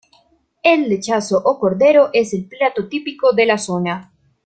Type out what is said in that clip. El lechazo o cordero es el plato típico de la zona.